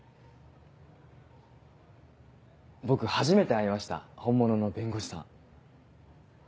僕初めて会いました本物の弁護士さん。